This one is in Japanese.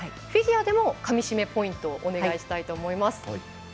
フィギュアでもかみしめポイントお願いしたいと思います。